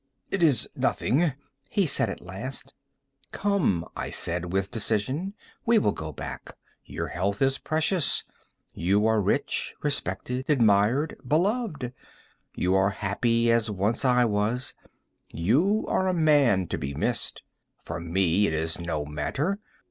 "It is nothing," he said, at last. "Come," I said, with decision, "we will go back; your health is precious. You are rich, respected, admired, beloved; you are happy, as once I was. You are a man to be missed. For me it is no matter.